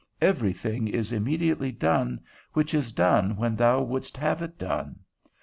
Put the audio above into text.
Every thing is immediately done, which is done when thou wouldst have it done.